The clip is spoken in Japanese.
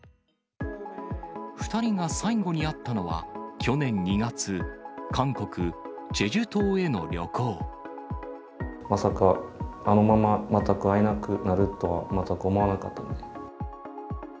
２人が最後に会ったのは、去年２月、まさか、あのまま全く会えなくなるとは全く思わなかった。